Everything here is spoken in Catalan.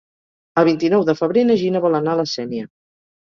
El vint-i-nou de febrer na Gina vol anar a la Sénia.